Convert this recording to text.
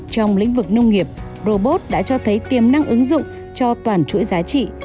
trong lĩnh vực nông nghiệp robot đã cho thấy tiềm năng ứng dụng cho toàn chuỗi giá trị